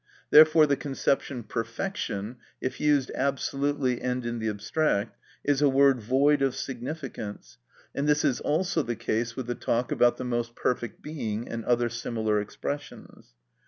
Therefore the conception "perfection," if used absolutely and in the abstract, is a word void of significance, and this is also the case with the talk about the "most perfect being," and other similar expressions.